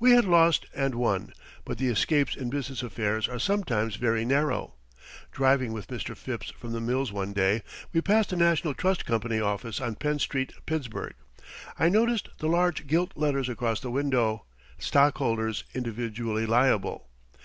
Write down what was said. We had lost and won, but the escapes in business affairs are sometimes very narrow. Driving with Mr. Phipps from the mills one day we passed the National Trust Company office on Penn Street, Pittsburgh. I noticed the large gilt letters across the window, "Stockholders individually liable."